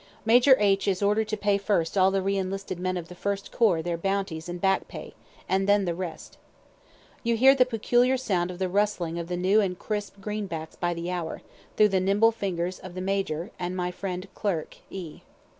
Major H. is order'd to pay first all the re enlisted men of the First corps their bounties and back pay, and then the rest. You hear the peculiar sound of the rustling of the new and crisp greenbacks by the hour, through the nimble fingers of the major and my friend clerk E.